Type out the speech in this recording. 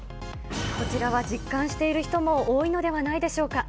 こちらは実感している人も多いのではないでしょうか。